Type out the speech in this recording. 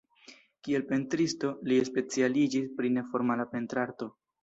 Kiel pentristo, li specialiĝis pri neformala pentrarto.